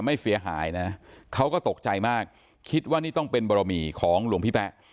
ไม่เสียหายนะเขาก็ตกใจมากคิดว่านี่ต้องเป็นบรมีของหลวงพี่แป๊ะ